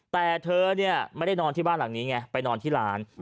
แต่เธอเนี่ยไม่ได้นอนที่บ้านหลังนี้ไงไปนอนที่ร้าน